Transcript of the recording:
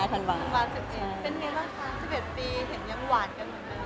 เป็นอย่างไรล่ะคะ๑๑ปีเห็นเมืองหวานเกินมากนะ